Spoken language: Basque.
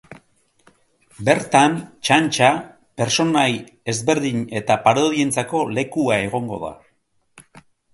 Bertan, txantxa, pertsonai ezberdin eta parodientzako lekua egongo da.